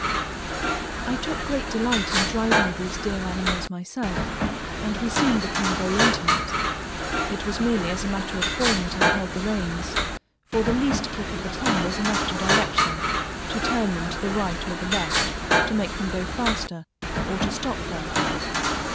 I took great delight in driving these dear animals myself, and we soon became very intimate. It was merely as a matter of form that I held the reins, for the least click of the tongue was enough to direct them, to turn them to the right or the left, to make them go faster, or to stop them.